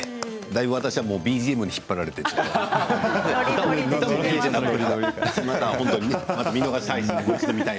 だいぶ私はＢＧＭに引っ張られていました。